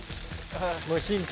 もう心配。